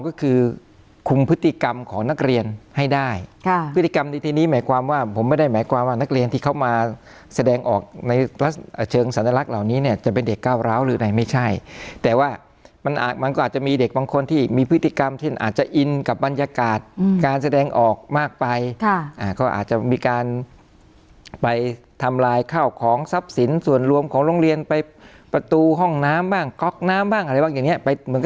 ก็คือคุมพฤติกรรมของนักเรียนให้ได้พฤติกรรมในทีนี้หมายความว่าผมไม่ได้หมายความว่านักเรียนที่เข้ามาแสดงออกในเชิงสันตะลักษณ์เหล่านี้จะเป็นเด็กก้าวร้าวหรือไม่ใช่แต่ว่ามันก็อาจจะมีเด็กบางคนที่มีพฤติกรรมที่อาจจะอินกับบรรยากาศการแสดงออกมากไปก็อาจจะมีการไปทำลายข้าวของทรัพย์